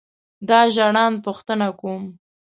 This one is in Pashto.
دا ژړاند پوښتنه کوم.